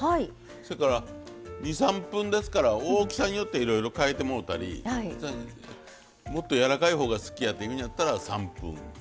それから２３分ですから大きさによっていろいろ変えてもうたりもっとやわらかいほうが好きやというんやったら３分。